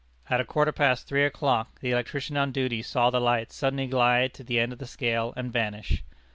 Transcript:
At a quarter past three o'clock the electrician on duty saw the light suddenly glide to the end of the scale and vanish.